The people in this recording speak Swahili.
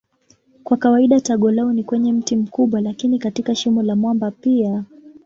Kwa kawaida tago lao ni kwenye mti mkubwa lakini katika shimo la mwamba pia.